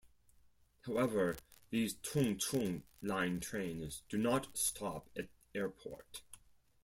However, these Tung Chung Line trains do not stop at Airport.